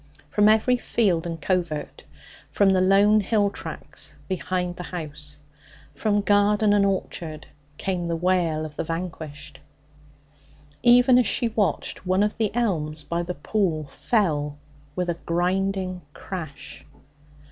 From every field and covert, from the lone hill tracts behind the house, from garden and orchard, came the wail of the vanquished. Even as she watched, one of the elms by the pool fell with a grinding crash.